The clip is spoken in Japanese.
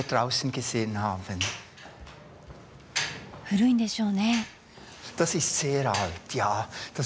古いんでしょうね。